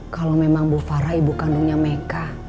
kalau memang bu farah ibu kandungnya meka